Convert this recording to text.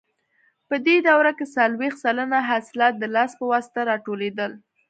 په دې دوره کې څلوېښت سلنه حاصلات د لاس په واسطه راټولېدل.